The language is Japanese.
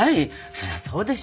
そりゃそうでしょ。